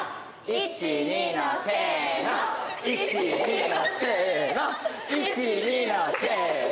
１２のせの１２のせの。